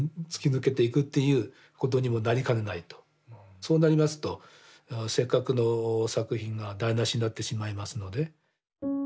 そうなりますとせっかくの作品が台なしになってしまいますので。